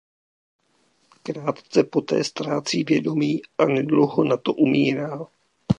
Krátce poté ztrácí vědomí a nedlouho na to umírá.